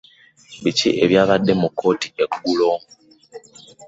Biki ebyabadde mu kkooti eggulo?